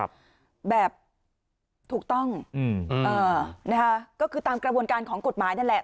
แบบถูกต้องอืมอ่านะคะก็คือตามกระบวนการของกฎหมายนั่นแหละ